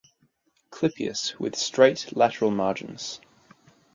Clypeus with straight lateral margins.